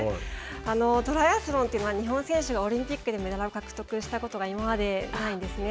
トライアスロンって、日本選手がオリンピックでメダルを獲得したことが今までないんですね。